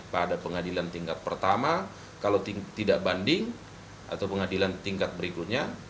pada pengadilan tingkat pertama kalau tidak banding atau pengadilan tingkat berikutnya